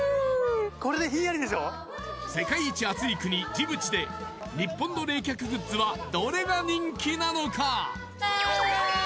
ジブチで日本の冷却グッズはどれが人気なのか？